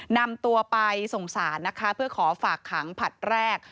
นำตัวไปส่งสารนะคะเพื่อขอฝากขังผลัดแรก